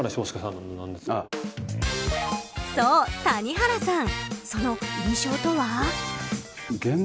そう、谷原さん。